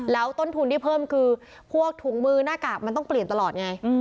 แล้วต้นทุนที่เพิ่มคือพวกถุงมือหน้ากากมันต้องเปลี่ยนตลอดไง